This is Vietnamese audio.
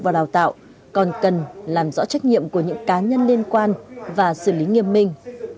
và đào tạo còn cần làm rõ trách nhiệm của những cá nhân liên quan và xử lý nghiêm minh